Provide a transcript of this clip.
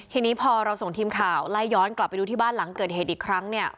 ทีนี้พอเราส่งทีมข่าวไล่ย้อนกลับไปดูที่บ้านหลังเกิดเหตุอีกครั้งเนี่ย